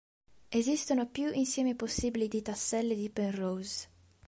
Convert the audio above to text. Esistono più insiemi possibili di tasselli di Penrose.